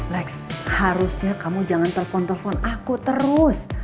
lex harusnya kamu jangan telfon telfon aku terus